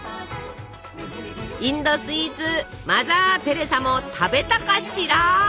インドスイーツマザー・テレサも食べたかしら！